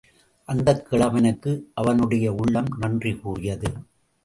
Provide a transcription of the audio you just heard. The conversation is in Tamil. அந்தக் கிழவனுக்கு அவனுடைய உள்ளம் நன்றி கூறியது.